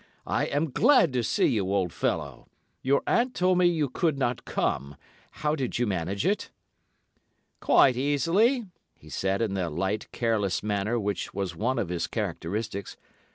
'I am glad to see you, old fellow. Your aunt told me you could not come. How did you manage it?' "'Quite easily,' he said in the light, careless manner which was one of his characteristics.